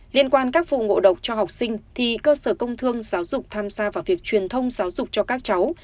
liên quan các vụ ngộ độc cho học sinh thì cơ sở công thương giáo dục tham gia vào việc truyền thông giáo dục cho các cháu